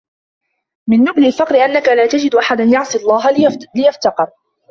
مِنْ نُبْلِ الْفَقْرِ أَنَّك لَا تَجِدُ أَحَدًا يَعْصِي اللَّهَ لِيَفْتَقِرَ